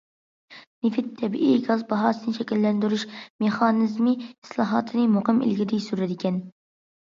نېفىت، تەبىئىي گاز باھاسىنى شەكىللەندۈرۈش مېخانىزمى ئىسلاھاتىنى مۇقىم ئىلگىرى سۈرىدىكەن.